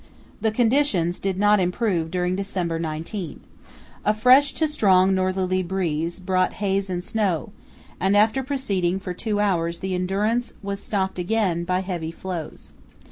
The conditions did not improve during December 19. A fresh to strong northerly breeze brought haze and snow, and after proceeding for two hours the Endurance was stopped again by heavy floes.